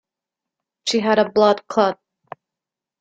She had a blood clot.